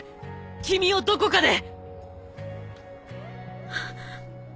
君をどこかで。